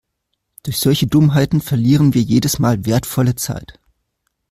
Durch solche Dummheiten verlieren wir jedes Mal wertvolle Zeit.